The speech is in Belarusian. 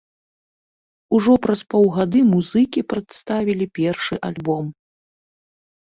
Ужо праз паўгады музыкі прадставілі першы альбом.